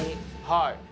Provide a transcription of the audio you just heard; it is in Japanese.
はい。